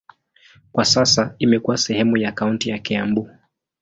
Kwa sasa imekuwa sehemu ya kaunti ya Kiambu.